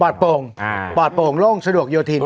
ปลอดโปร่งปลอดโปร่งโล่งสะดวกเยอะทิ้ง